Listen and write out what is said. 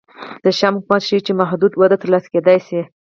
د شیام حکومت ښيي چې محدوده وده ترلاسه کېدای شي